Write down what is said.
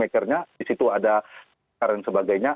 karena yang sebagainya